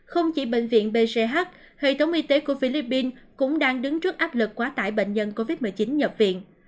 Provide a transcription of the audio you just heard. không chỉ bệnh viện bch hệ thống y tế của philippines cũng đang đứng trước áp lực quá tải bệnh nhân covid một mươi chín nhập viện